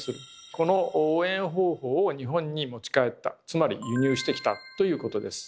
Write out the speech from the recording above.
この応援方法を日本に持ち帰ったつまり輸入してきたということです。